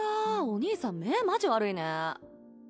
お兄さん目ぇマジ悪いね。